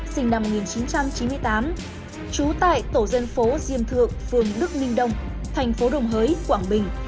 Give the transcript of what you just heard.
sinh năm một nghìn chín trăm chín mươi tám trú tại tổ dân phố diêm thượng phường đức ninh đông thành phố đồng hới quảng bình